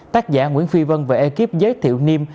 tác giả nguyễn phi vân và ekip giới thiệu niêm